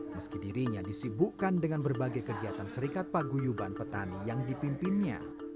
meski dirinya disibukkan dengan berbagai kegiatan serikat paguyuban petani yang dipimpinnya